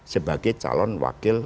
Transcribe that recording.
sebagai calon wakil